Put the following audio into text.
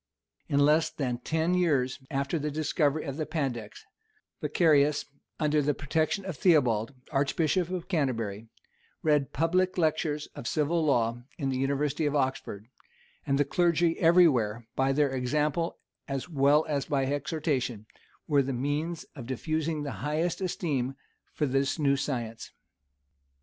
In less than ten years after the discovery of the Pandects, Vacarius, under the protection of Theobald, archbishop of Canterbury, read public lectures of civil law in the university of Oxford; and the clergy every where, by their example as well as exhortation, were the means of diffusing the highest esteem for this new science.